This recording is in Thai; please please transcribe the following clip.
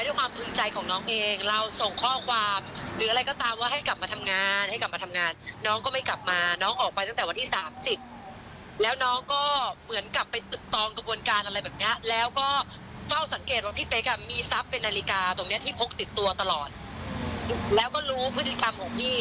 เดี๋ยวลองฟังคุณเป๊กกี้ดูหน่อยค่ะ